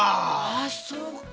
あそうか。